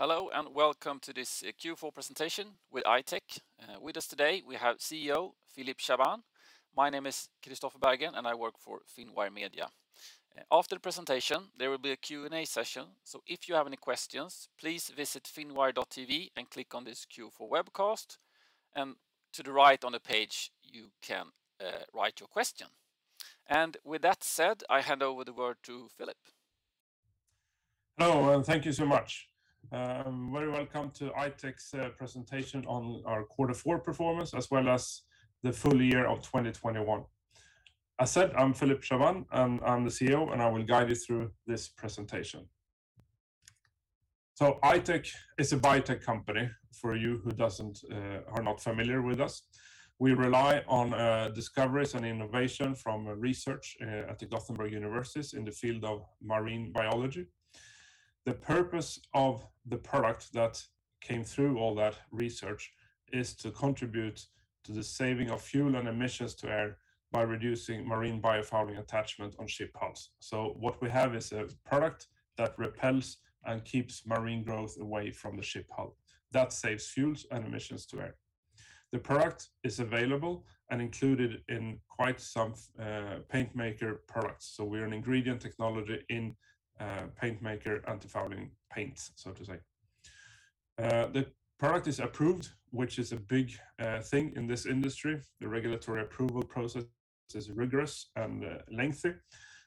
Hello, and welcome to this Q4 presentation with I-Tech. With us today we have CEO Philip Chaabane. My name is Kristofer Berggren, and I work for Finwire Media. After the presentation, there will be a Q&A session, so if you have any questions, please visit finwire.tv and click on this Q4 webcast, and to the right on the page you can write your question. With that said, I hand over the word to Philip. Hello, and thank you so much. Very welcome to I-Tech's presentation on our quarter four performance, as well as the full year of 2021. As said, I'm Philip Chaabane, and I'm the CEO, and I will guide you through this presentation. I-Tech is a biotech company, for you who are not familiar with us. We rely on discoveries and innovation from research at the University of Gothenburg in the field of marine biology. The purpose of the product that came through all that research is to contribute to the saving of fuel and emissions to air by reducing marine biofouling attachment on ship hulls. What we have is a product that repels and keeps marine growth away from the ship hull. That saves fuels and emissions to air. The product is available and included in quite some paint maker products, so we're an ingredient technology in paint maker antifouling paint, so to say. The product is approved, which is a big thing in this industry. The regulatory approval process is rigorous and lengthy,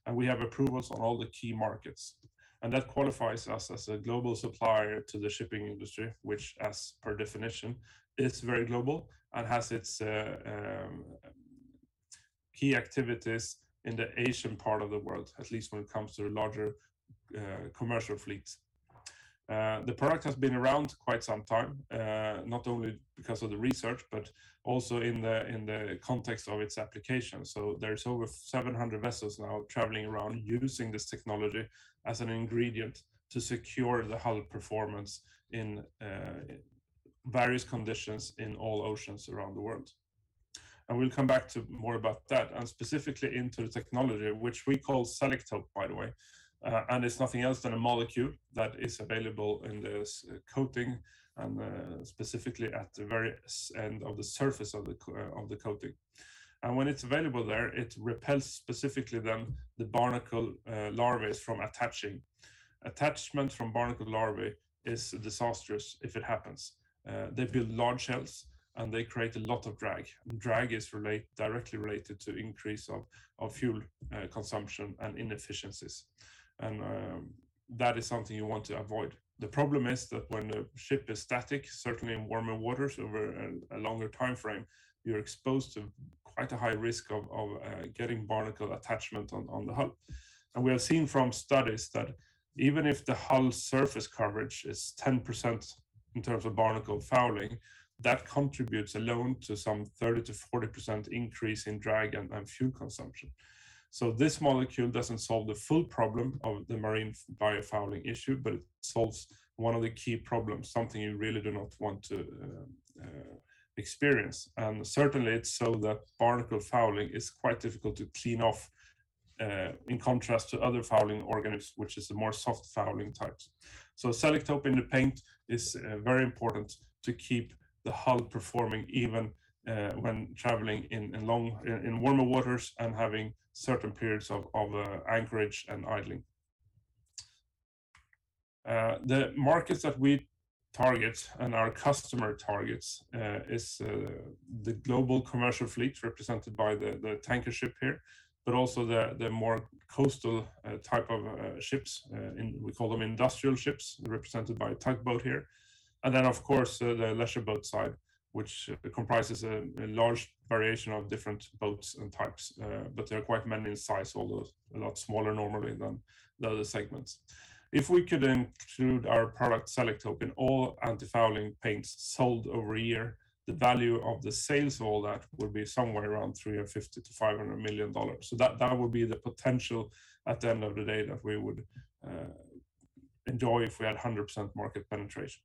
and we have approvals on all the key markets. That qualifies us as a global supplier to the shipping industry, which as per definition, is very global and has its key activities in the Asian part of the world, at least when it comes to larger commercial fleets. The product has been around quite some time, not only because of the research, but also in the context of its application. There's over 700 vessels now traveling around using this technology as an ingredient to secure the hull performance in various conditions in all oceans around the world. We'll come back to more about that, and specifically into the technology, which we call Selektope, by the way. It's nothing else than a molecule that is available in this coating and specifically at the very end of the surface of the coating. When it's available there, it repels specifically then the barnacle larvas from attaching. Attachment from barnacle larva is disastrous if it happens. They build large shells and they create a lot of drag, and drag is directly related to increase of fuel consumption and inefficiencies. That is something you want to avoid. The problem is that when the ship is static, certainly in warmer waters over a longer timeframe, you're exposed to quite a high risk of getting barnacle attachment on the hull. We have seen from studies that even if the hull surface coverage is 10% in terms of barnacle fouling, that contributes alone to some 30%-40% increase in drag and fuel consumption. This molecule doesn't solve the full problem of the marine biofouling issue, but it solves one of the key problems, something you really do not want to experience. Certainly it's so that barnacle fouling is quite difficult to clean off in contrast to other fouling organisms, which is the more soft fouling types. Selektope in the paint is very important to keep the hull performing even when traveling in long warmer waters and having certain periods of anchorage and idling. The markets that we target and our customer targets is the global commercial fleet represented by the tanker ship here, but also the more coastal type of ships. We call them industrial ships, represented by a tugboat here. Of course the leisure boat side, which comprises a large variation of different boats and types. They're quite many in size, although a lot smaller normally than the other segments. If we could include our product Selektope in all antifouling paints sold over a year, the value of the sales of all that would be somewhere around $300-$500 million. That would be the potential at the end of the day that we would enjoy if we had 100% market penetration.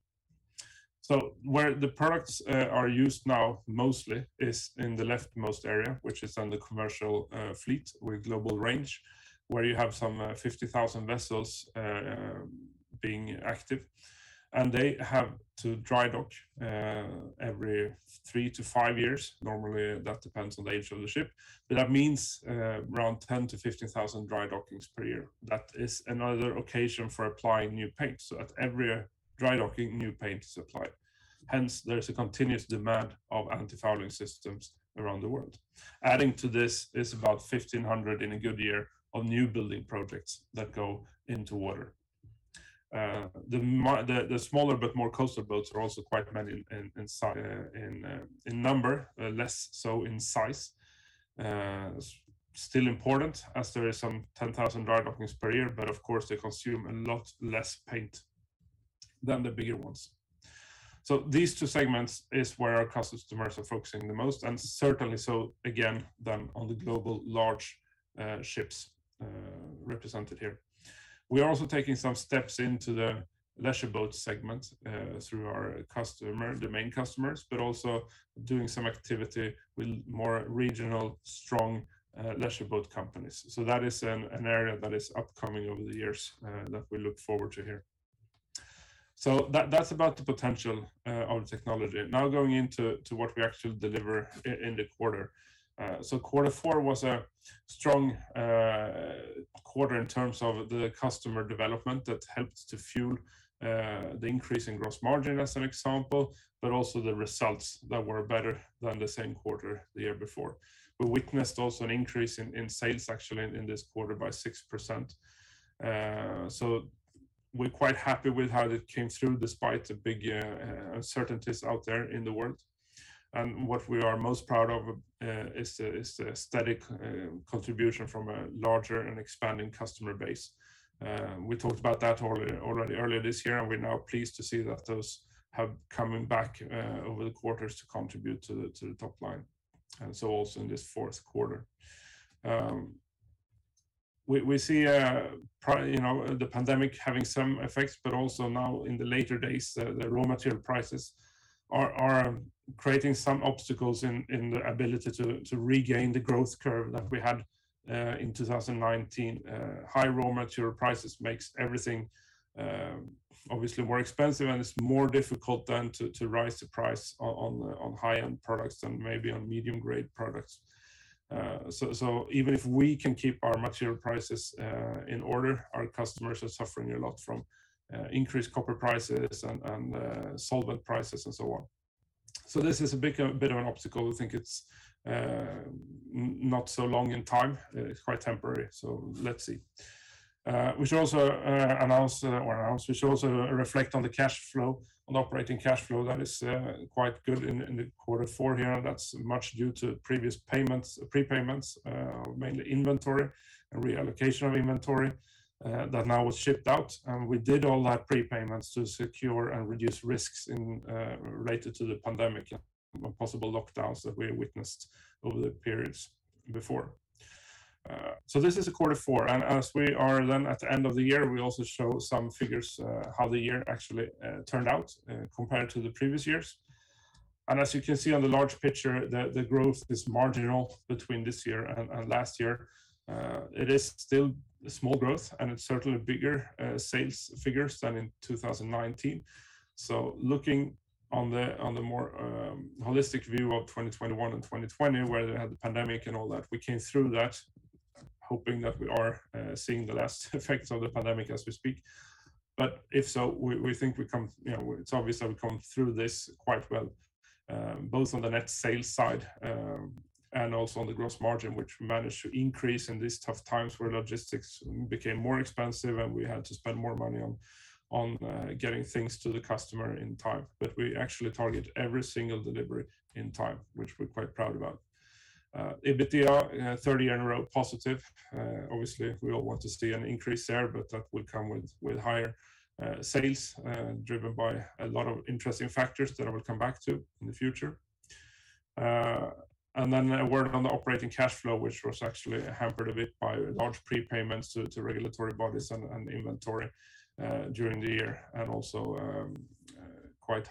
Where the products are used now mostly is in the leftmost area, which is under commercial fleet with global range, where you have some 50,000 vessels being active. They have to dry dock every 3-5 years normally. That depends on the age of the ship. That means around 10,000-15,000 dry dockings per year. That is another occasion for applying new paint. At every dry docking, new paint is applied, hence there's a continuous demand of antifouling systems around the world. Adding to this is about 1,500 in a good year of new building projects that go into water. The smaller but more coastal boats are also quite many in number, less so in size. Still important as there is some 10,000 dry dockings per year, but of course they consume a lot less paint than the bigger ones. These two segments is where our customers are focusing the most, and certainly so again than on the global large ships represented here. We are also taking some steps into the leisure boat segment through our customer, the main customers, but also doing some activity with more regional strong leisure boat companies. That is an area that is upcoming over the years that we look forward to here. That, that's about the potential of the technology. Now going into what we actually deliver in the quarter. Quarter four was a strong quarter in terms of the customer development that helped to fuel the increase in gross margin as an example, but also the results that were better than the same quarter the year before. We witnessed also an increase in sales actually in this quarter by 6%. We're quite happy with how that came through despite the big uncertainties out there in the world. What we are most proud of is the steady contribution from a larger and expanding customer base. We talked about that already earlier this year, and we're now pleased to see that those are coming back over the quarters to contribute to the top line, and so also in this fourth quarter. We see, you know, the pandemic having some effects, but also now in the later days, the raw material prices are creating some obstacles in the ability to regain the growth curve that we had in 2019. High raw material prices makes everything obviously more expensive, and it's more difficult then to raise the price on high-end products than maybe on medium-grade products. Even if we can keep our material prices in order, our customers are suffering a lot from increased copper prices and solvent prices and so on. This is a bit of an obstacle. We think it's not so long in time. It's quite temporary, so let's see. We should also reflect on the cash flow, on operating cash flow. That is quite good in quarter four here. That's largely due to previous payments, prepayments, mainly inventory and reallocation of inventory that now was shipped out. We did all that prepayments to secure and reduce risks related to the pandemic and possible lockdowns that we witnessed over the periods before. This is quarter four, and as we are then at the end of the year, we also show some figures how the year actually turned out compared to the previous years. As you can see on the big picture, the growth is marginal between this year and last year. It is still a small growth, and it's certainly bigger sales figures than in 2019. Looking at the more holistic view of 2021 and 2020 where they had the pandemic and all that, we came through that hoping that we are seeing the last effects of the pandemic as we speak. If so, we think we've come, you know, it's obvious that we've come through this quite well, both on the net sales side, and also on the gross margin, which managed to increase in these tough times where logistics became more expensive and we had to spend more money on getting things to the customer in time. We actually target every single delivery in time, which we're quite proud about. EBITDA third year in a row positive. Obviously we all want to see an increase there, but that will come with higher sales driven by a lot of interesting factors that I will come back to in the future. A word on the operating cash flow, which was actually hampered a bit by large prepayments to regulatory bodies and inventory during the year, and also quite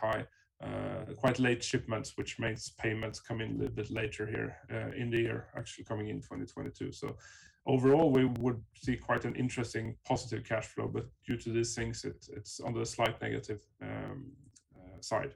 late shipments, which makes payments come in a bit later here in the year, actually coming in 2022. Overall, we would see quite an interesting positive cash flow. Due to these things, it's on the slight negative side.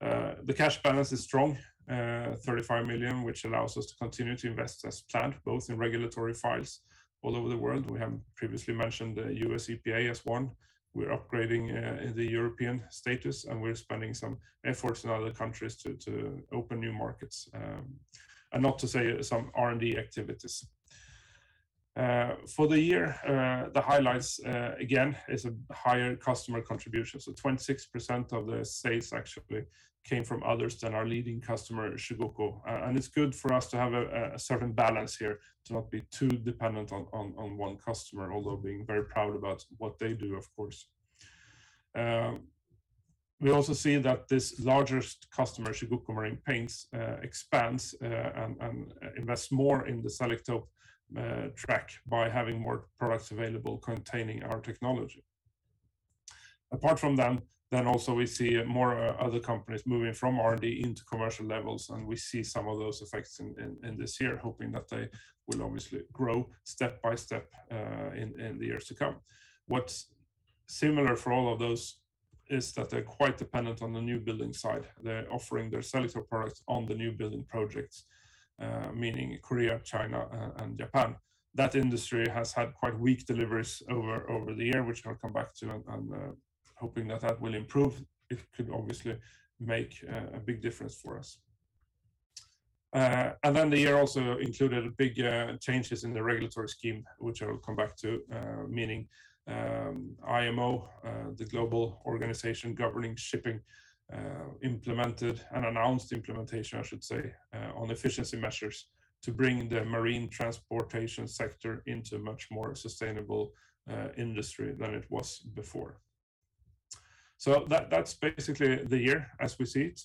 The cash balance is strong, 35 million, which allows us to continue to invest as planned, both in regulatory files all over the world. We have previously mentioned the U.S. EPA as one. We're upgrading the European status, and we're spending some efforts in other countries to open new markets and not to say some R&D activities. For the year, the highlights again is a higher customer contribution. 26% of the sales actually came from others than our leading customer, Chugoku. And it's good for us to have a certain balance here, to not be too dependent on one customer, although being very proud about what they do, of course. We also see that this largest customer, Chugoku Marine Paints, expands and invest more in the Selektope track by having more products available containing our technology. Apart from them, then also we see more, other companies moving from R&D into commercial levels, and we see some of those effects in this year, hoping that they will obviously grow step by step, in the years to come. What's similar for all of those is that they're quite dependent on the new building side. They're offering their Selektope products on the new building projects, meaning Korea, China, and Japan. That industry has had quite weak deliveries over the year, which I'll come back to, hoping that that will improve. It could obviously make a big difference for us. The year also included big changes in the regulatory scheme, which I will come back to, meaning IMO, the global organization governing shipping, announced implementation, I should say, on efficiency measures to bring the marine transportation sector into much more sustainable industry than it was before. That's basically the year as we see it.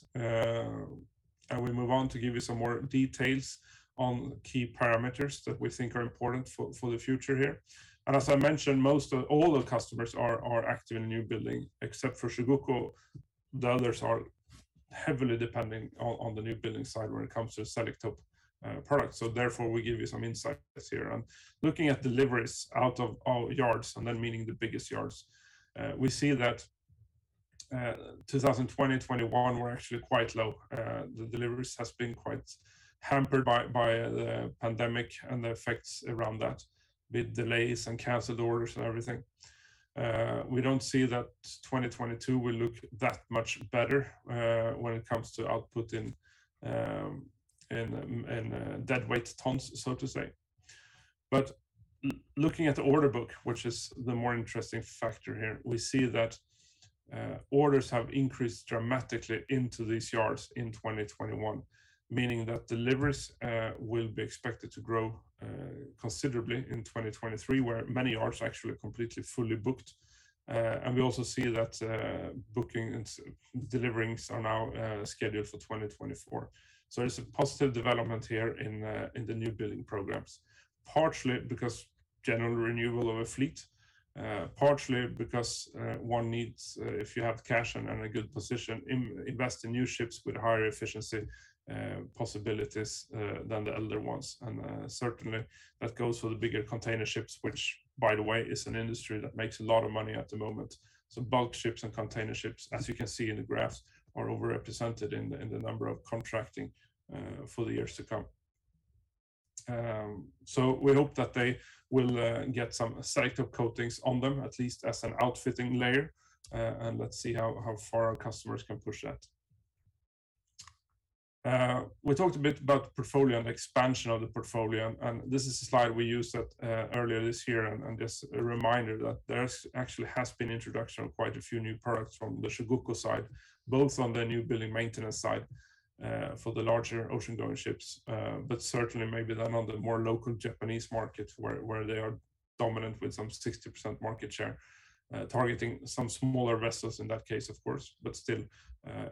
We move on to give you some more details on key parameters that we think are important for the future here. As I mentioned, most of all the customers are active in new building. Except for Chugoku, the others are heavily depending on the new building side when it comes to Selektope product. Therefore, we give you some insights here. Looking at deliveries out of our yards, and then meaning the biggest yards, we see that 2020-2021 were actually quite low. The deliveries has been quite hampered by the pandemic and the effects around that with delays and canceled orders and everything. We don't see that 2022 will look that much better when it comes to output in deadweight tons, so to say. Looking at the order book, which is the more interesting factor here, we see that orders have increased dramatically into these yards in 2021, meaning that deliveries will be expected to grow considerably in 2023, where many yards are actually completely booked. We also see that booking and deliveries are now scheduled for 2024. There's a positive development here in the new building programs. Partially because general renewal of a fleet, partially because one needs, if you have cash and a good position, invest in new ships with higher efficiency possibilities than the older ones. Certainly that goes for the bigger container ships, which, by the way, is an industry that makes a lot of money at the moment. Bulk ships and container ships, as you can see in the graphs, are over-represented in the number of contracting for the years to come. We hope that they will get some Selektope coatings on them, at least as an outfitting layer. And let's see how far our customers can push that. We talked a bit about the portfolio and the expansion of the portfolio, and this is a slide we used at earlier this year, and just a reminder that there's actually been introduction of quite a few new products from the Chugoku side, both on the new building maintenance side, for the larger ocean-going ships, but certainly maybe then on the more local Japanese markets where they are dominant with some 60% market share, targeting some smaller vessels in that case, of course, but still,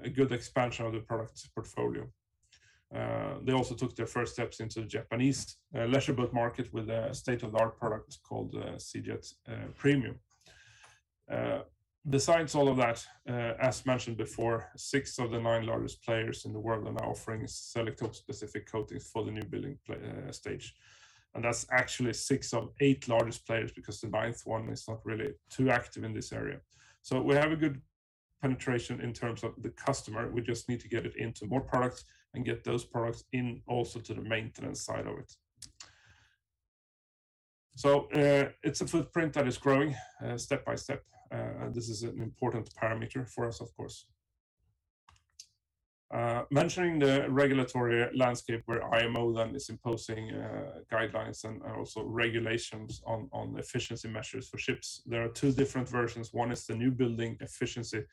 a good expansion of the product's portfolio. They also took their first steps into the Japanese leisure boat market with a state-of-the-art product called Seajet Premium. Besides all of that, as mentioned before, six of the nine largest players in the world are now offering Selektope-specific coatings for the new building stage. That's actually six of eight largest players because the ninth one is not really too active in this area. We have a good penetration in terms of the customer. We just need to get it into more products and get those products in also to the maintenance side of it. It's a footprint that is growing step by step, and this is an important parameter for us, of course. Mentioning the regulatory landscape where IMO then is imposing guidelines and also regulations on efficiency measures for ships. There are two different versions. One is the new building efficiency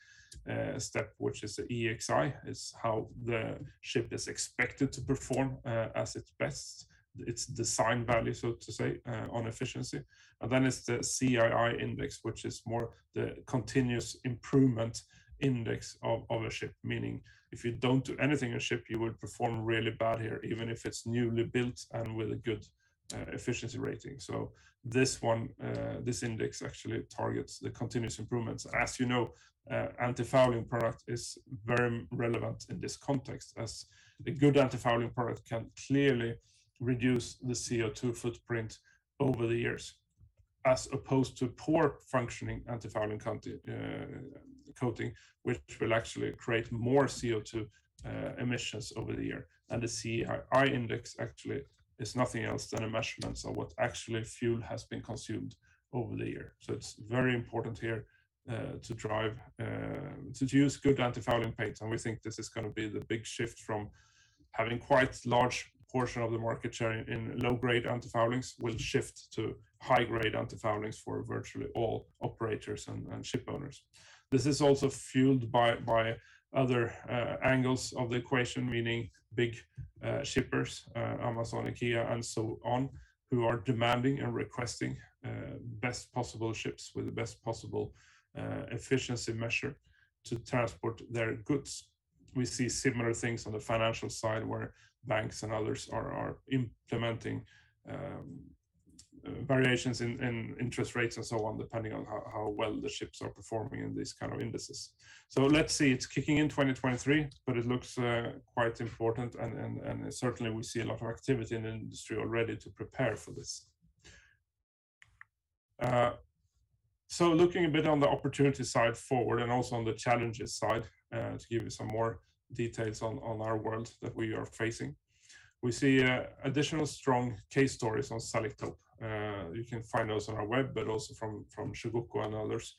step, which is the EEXI. It's how the ship is expected to perform, as its best, its design value, so to say, on efficiency. Then it's the CII index, which is more the continuous improvement index of a ship, meaning if you don't do anything in a ship, you would perform really bad here, even if it's newly built and with a good, efficiency rating. This one, this index actually targets the continuous improvements. As you know, antifouling product is very relevant in this context, as a good antifouling product can clearly reduce the CO2 footprint over the years, as opposed to poor functioning antifouling coating, which will actually create more CO2, emissions over the year. The CII index actually is nothing else than a measurement of what actual fuel has been consumed over the year. It's very important here to use good antifouling paints, and we think this is gonna be the big shift from having quite large portion of the market share in low-grade antifoulings will shift to high-grade antifoulings for virtually all operators and ship owners. This is also fueled by other angles of the equation, meaning big shippers, Amazon, IKEA, and so on, who are demanding and requesting best possible ships with the best possible efficiency measure to transport their goods. We see similar things on the financial side where banks and others are implementing variations in interest rates and so on, depending on how well the ships are performing in these kind of indices. Let's see. It's kicking in 2023, but it looks quite important and certainly we see a lot of activity in the industry already to prepare for this. Looking a bit on the opportunity side forward and also on the challenges side, to give you some more details on our world that we are facing. We see additional strong case stories on Selektope. You can find those on our web, but also from Chugoku and others,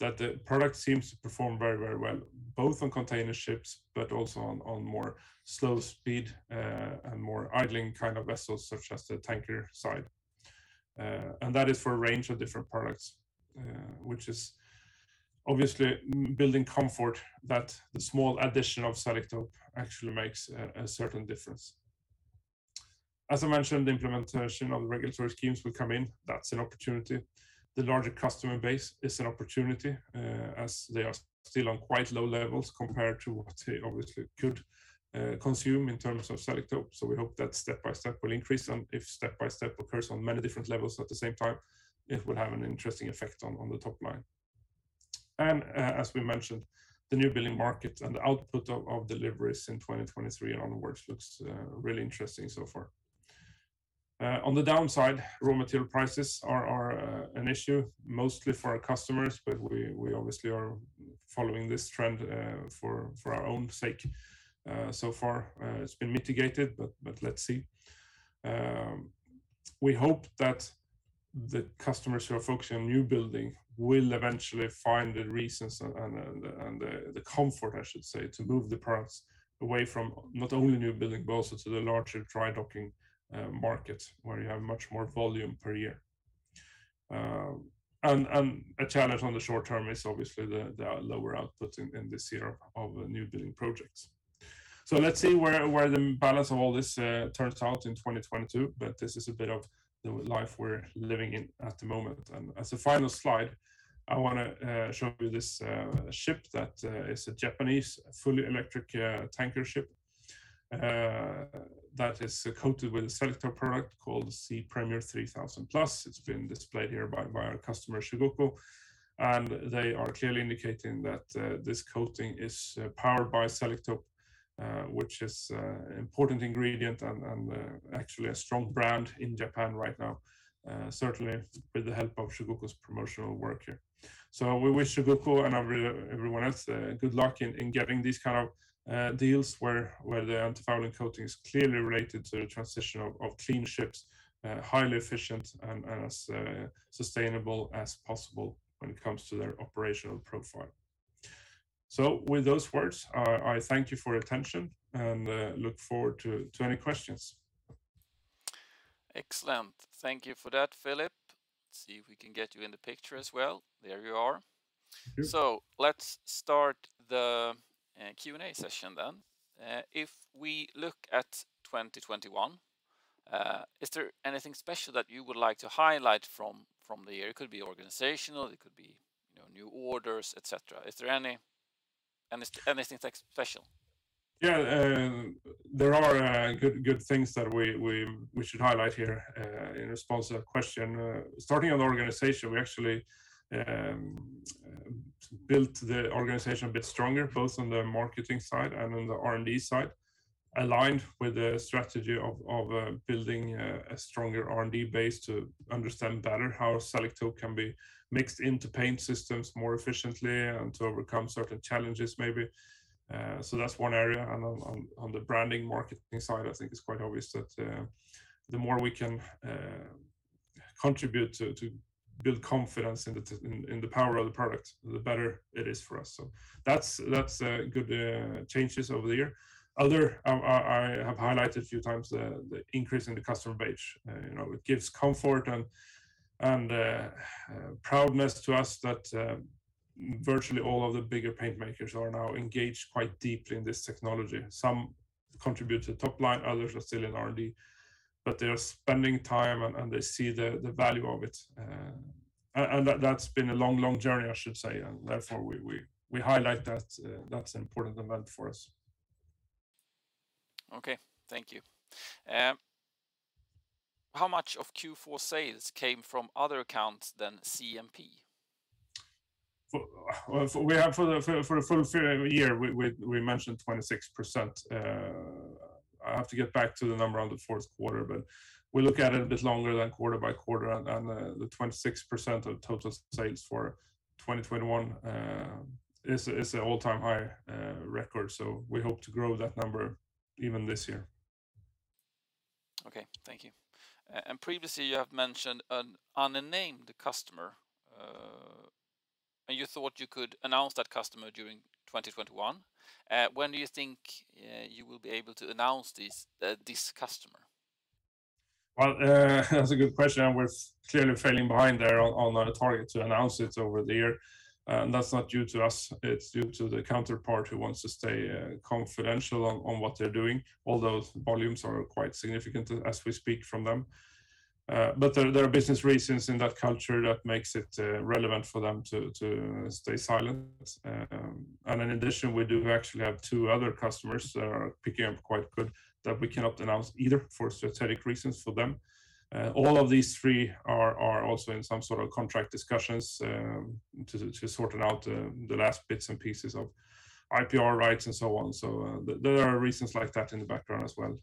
that the product seems to perform very, very well, both on container ships but also on more slow speed and more idling kind of vessels, such as the tanker side. And that is for a range of different products, which is obviously building comfort that the small addition of Selektope actually makes a certain difference. As I mentioned, the implementation of the regulatory schemes will come in. That's an opportunity. The larger customer base is an opportunity, as they are still on quite low levels compared to what they obviously could consume in terms of Selektope. We hope that step by step will increase, and if step by step occurs on many different levels at the same time, it will have an interesting effect on the top line. As we mentioned, the new building market and the output of deliveries in 2023 onwards looks really interesting so far. On the downside, raw material prices are an issue mostly for our customers, but we obviously are following this trend for our own sake. So far, it's been mitigated, but let's see. We hope that the customers who are focused on new building will eventually find the reasons and the comfort, I should say, to move the products away from not only new building but also to the larger dry docking market where you have much more volume per year. A challenge on the short term is obviously the lower output in this year of new building projects. Let's see where the balance of all this turns out in 2022, but this is a bit of the life we're living in at the moment. As a final slide, I wanna show you this ship that is a Japanese fully electric tanker ship that is coated with a Selektope product called Sea Premier 3000 Plus. It's been displayed here by our customer Chugoku, and they are clearly indicating that this coating is powered by Selektope, which is important ingredient and actually a strong brand in Japan right now, certainly with the help of Chugoku's promotional work here. We wish Chugoku and everyone else good luck in getting these kind of deals where the antifouling coating is clearly related to the transition of clean ships, highly efficient and as sustainable as possible when it comes to their operational profile. With those words, I thank you for your attention and look forward to any questions. Excellent. Thank you for that, Philip. See if we can get you in the picture as well. There you are. Yeah. Let's start the Q&A session then. If we look at 2021, is there anything special that you would like to highlight from the year? It could be organizational, it could be, you know, new orders, et cetera. Is there anything special? Yeah. There are good things that we should highlight here in response to that question. Starting on the organization, we actually built the organization a bit stronger, both on the marketing side and on the R&D side, aligned with the strategy of building a stronger R&D base to understand better how Selektope can be mixed into paint systems more efficiently and to overcome certain challenges maybe. That's one area. On the branding marketing side, I think it's quite obvious that the more we can contribute to build confidence in the power of the product, the better it is for us. That's good changes over the year. I have highlighted a few times the increase in the customer base. You know, it gives comfort and proudness to us that virtually all of the bigger paint makers are now engaged quite deeply in this technology. Some contribute to top line, others are still in R&D, but they are spending time and they see the value of it. that's been a long journey, I should say. therefore we highlight that that's important event for us. Okay. Thank you. How much of Q4 sales came from other accounts than CMP? Well, for the full fiscal year, we mentioned 26%. I have to get back to the number on the fourth quarter, but we look at it a bit longer than quarter by quarter. The 26% of total sales for 2021 is an all-time high record. We hope to grow that number even this year. Okay. Thank you. Previously you have mentioned an unnamed customer, and you thought you could announce that customer during 2021. When do you think you will be able to announce this customer? Well, that's a good question, and we're clearly falling behind there on our target to announce it over the year. That's not due to us, it's due to the counterpart who wants to stay confidential on what they're doing, although volumes are quite significant as we speak from them. There are business reasons in that culture that makes it relevant for them to stay silent. In addition, we do actually have two other customers that are picking up quite good that we cannot announce either for strategic reasons for them. All of these three are also in some sort of contract discussions to sort out the last bits and pieces of IPR rights and so on. There are reasons like that in the background as well.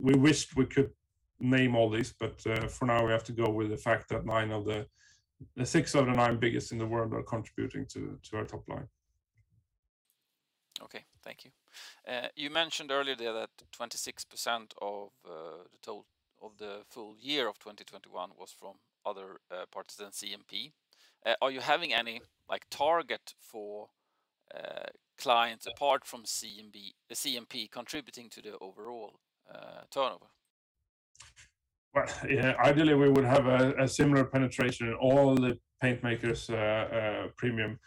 We wished we could name all these, but for now we have to go with the fact that 6 of the 9 biggest in the world are contributing to our top line. Okay. Thank you. You mentioned earlier that 26% of the total of the full year of 2021 was from other parties than CMP. Are you having any, like, target for clients apart from CMP contributing to the overall turnover? Well, yeah, ideally we would have a similar penetration in all the paint makers' premium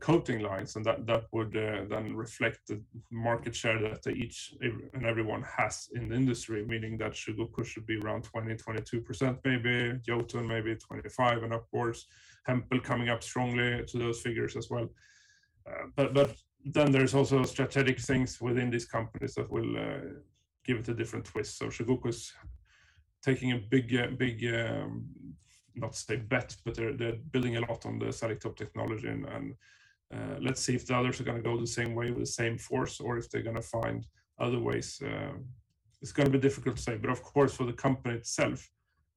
coating lines, and that would then reflect the market share that each and everyone has in the industry. Meaning that Chugoku should be around 20%-22%, maybe Jotun 25%, and of course, Hempel coming up strongly to those figures as well. But then there's also strategic things within these companies that will give it a different twist. Chugoku's taking a big not a safe bet, but they're building a lot on the Selektope technology, and let's see if the others are gonna go the same way with the same force or if they're gonna find other ways. It's gonna be difficult to say, but of course for the company itself,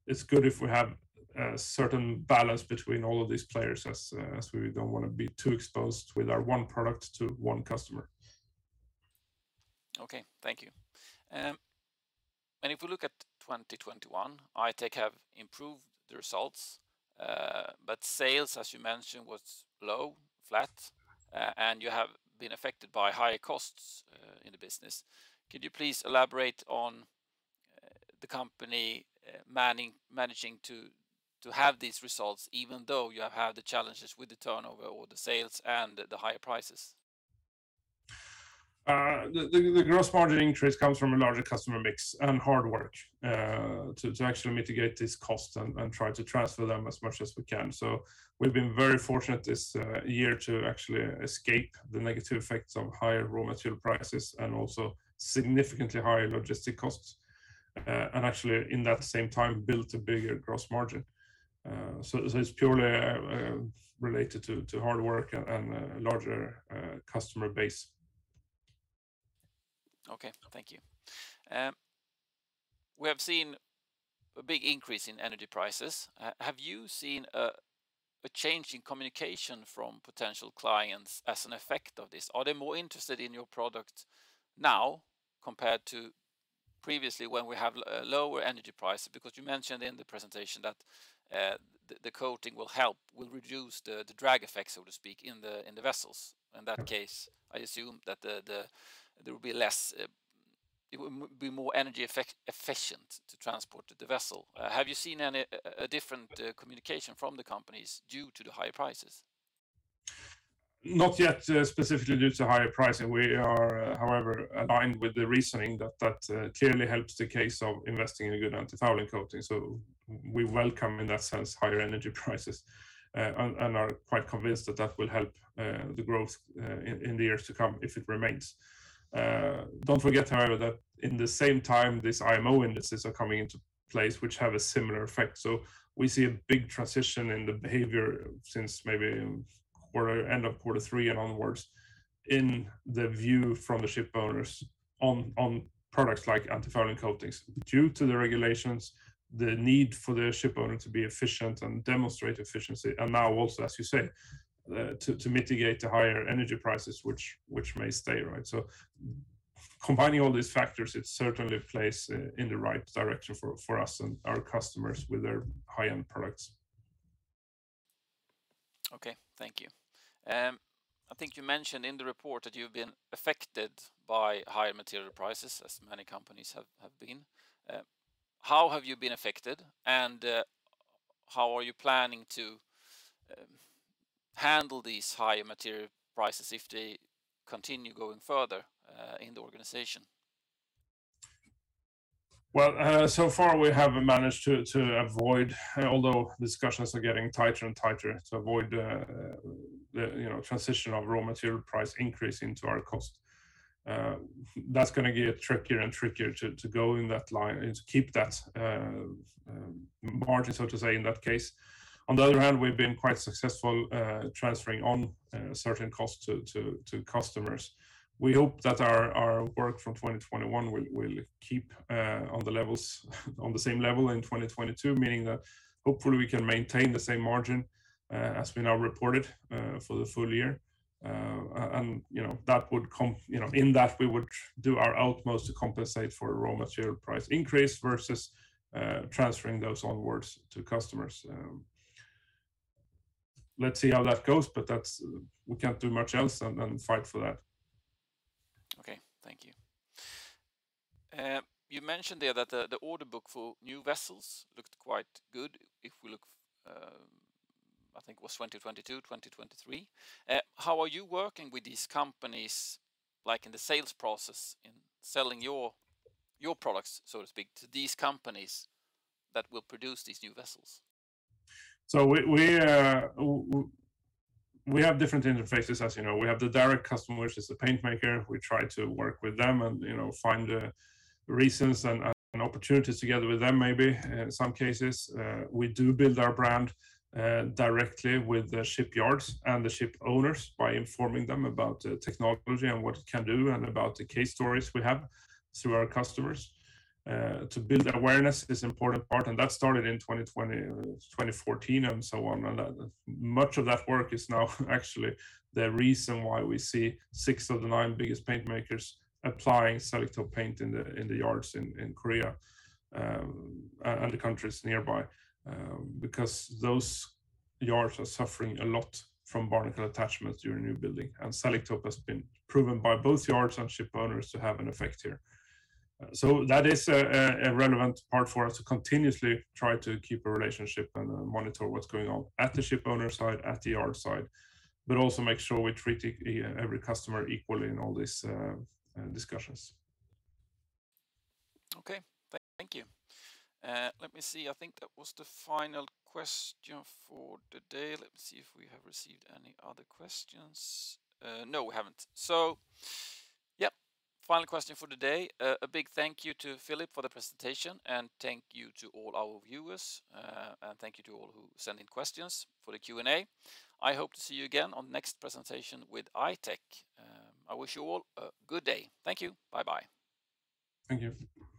it's good if we have a certain balance between all of these players as we don't wanna be too exposed with our one product to one customer. Okay. Thank you. If we look at 2021, it has improved the results, but sales, as you mentioned, was low, flat, and you have been affected by higher costs in the business. Could you please elaborate on the company managing to have these results even though you have had the challenges with the turnover or the sales and the higher prices? The gross margin increase comes from a larger customer mix and hard work to actually mitigate this cost and try to transfer them as much as we can. We've been very fortunate this year to actually escape the negative effects of higher raw material prices and also significantly higher logistics costs, and actually in that same time built a bigger gross margin. It's purely related to hard work and a larger customer base. Okay. Thank you. We have seen a big increase in energy prices. Have you seen a change in communication from potential clients as an effect of this? Are they more interested in your product now compared to previously when we have lower energy prices? Because you mentioned in the presentation that the coating will help reduce the drag effects, so to speak, in the vessels. Yeah. In that case, I assume that there will be less. It would be more energy efficient to transport the vessel. Have you seen any different communication from the companies due to the higher prices? Not yet, specifically due to higher pricing. We are, however, aligned with the reasoning that clearly helps the case of investing in a good antifouling coating. We welcome, in that sense, higher energy prices and are quite convinced that that will help the growth in the years to come if it remains. Don't forget, however, that in the same time, these IMO indices are coming into place which have a similar effect. We see a big transition in the behavior since maybe quarter, end of quarter three and onwards in the view from the ship owners on products like antifouling coatings. Due to the regulations, the need for the ship owner to be efficient and demonstrate efficiency, and now also, as you said, to mitigate the higher energy prices which may stay, right? Combining all these factors, it certainly plays in the right direction for us and our customers with their high-end products. Okay. Thank you. I think you mentioned in the report that you've been affected by higher material prices as many companies have been. How have you been affected, and how are you planning to handle these higher material prices if they continue going further in the organization? Well, so far we have managed to avoid, although discussions are getting tighter and tighter, the transition of raw material price increase into our cost. That's gonna get trickier and trickier to go in that line and to keep that margin, so to say, in that case. On the other hand, we've been quite successful transferring certain costs to customers. We hope that our work from 2021 will keep on the same level in 2022, meaning that hopefully we can maintain the same margin as we now reported for the full year. You know, in that we would do our utmost to compensate for raw material price increase versus transferring those onwards to customers. Let's see how that goes, but that's, we can't do much else than fight for that. Okay. Thank you. You mentioned there that the order book for new vessels looked quite good if we look, I think it was 2022, 2023. How are you working with these companies, like in the sales process in selling your products, so to speak, to these companies that will produce these new vessels? We have different interfaces as you know. We have the direct customer, which is the paint maker. We try to work with them and, you know, find reasons and opportunities together with them maybe in some cases. We do build our brand directly with the shipyards and the ship owners by informing them about the technology and what it can do and about the case stories we have through our customers. To build awareness is important part, and that started in 2020, 2014 and so on. Much of that work is now actually the reason why we see six of the nine biggest paint makers applying Selektope paint in the yards in Korea and the countries nearby. Because those yards are suffering a lot from barnacle attachments during new building, and Selektope has been proven by both yards and ship owners to have an effect here. That is a relevant part for us to continuously try to keep a relationship and monitor what's going on at the ship owner side, at the yard side, but also make sure we're treating every customer equally in all these discussions. Okay. Thank you. Let me see. I think that was the final question for today. Let me see if we have received any other questions. No, we haven't. Yep, final question for today. A big thank you to Filip for the presentation, and thank you to all our viewers. Thank you to all who sent in questions for the Q&A. I hope to see you again on next presentation with I-Tech. I wish you all a good day. Thank you. Bye-bye. Thank you.